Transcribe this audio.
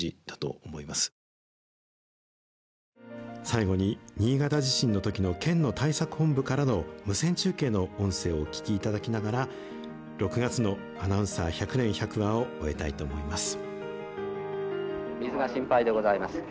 最後に、新潟地震のときの県の対策本部からの無線中継の音声をお聞きいただきながら６月の「アナウンサー百年百話」を終えたいと思います。